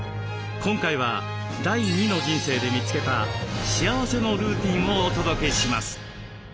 今回は第２の人生で見つけた幸せのルーティンをお届けします。